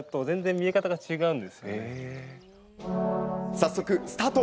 早速スタート！